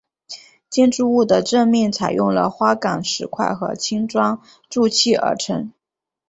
建筑物的正面采用了花岗石块和青砖筑砌而成。